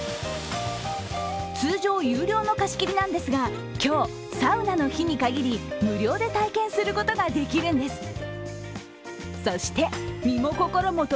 通常、有料の貸し切りなんですが今日、サウナの日にかぎり、無料で体験することができるんです。